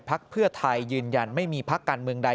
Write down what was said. พักเพื่อไทยยืนยันไม่มีพักการเมืองใด